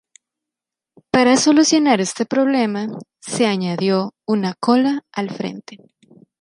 Para solucionar este problema, se añadió una "cola" al frente.